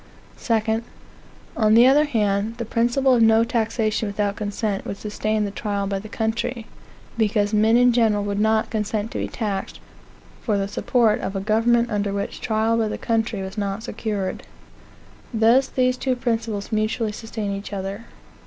2. On the other hand, the principle of no taxation without consent would sustain the trial by the country, because men in general would not consent to be taxed for the support of a government under which trial by the country was not secured. Thus these two principles mutually sustain each other.